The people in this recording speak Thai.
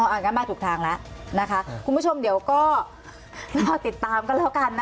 อ๋ออันนั้นมาถูกทางแล้วคุณผู้ชมเดียวก็ลองติดตามกันแล้วกัน